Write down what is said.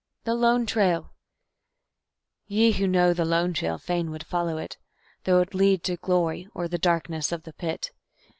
The Lone Trail _Ye who know the Lone Trail fain would follow it, Though it lead to glory or the darkness of the pit.